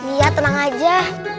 iya tenang aja